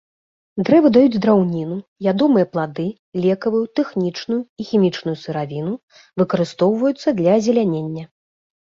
Дрэвы даюць драўніну, ядомыя плады, лекавую, тэхнічную і хімічную сыравіну, выкарыстоўваюцца для азелянення.